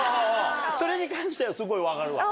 それに関してはすごい分かるわ。